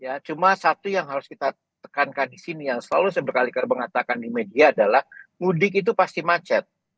ya cuma satu yang harus kita tekankan di sini yang selalu sebekali kali mengatakan di media adalah mudik itu pasti macet